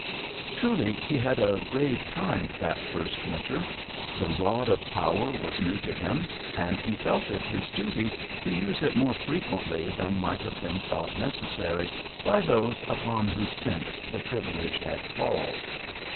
Truly he had a grave time that first winter. The rod of power was new to him, and he felt it his "duty" to use it more frequently than might have been thought necessary by those upon whose sense the privilege had palled.